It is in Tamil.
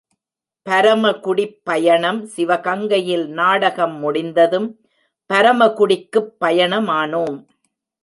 பரமக்குடிப் பயணம் சிவகங்கையில் நாடகம் முடிந்ததும் பரமக்குடிக்குப் பயணமானோம்.